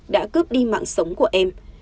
đã cướp đi mạng sống của em